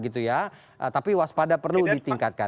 tapi waspada perlu ditingkatkan